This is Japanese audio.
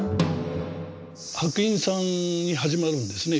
白隠さんに始まるんですね